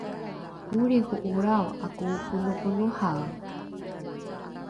olriho’olrao ’ako’oponoponohae